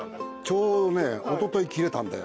ちょうどねおととい切れたんだよ。